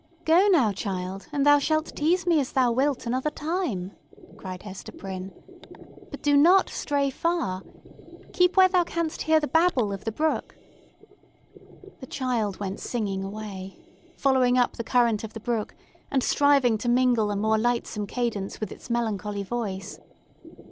"Go now, child, and thou shalt tease me as thou wilt another time," cried Hester Prynne. "But do not stray far. Keep where thou canst hear the babble of the brook." The child went singing away, following up the current of the brook, and striving to mingle a more lightsome cadence with its melancholy voice.